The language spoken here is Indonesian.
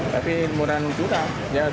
tapi murahan curah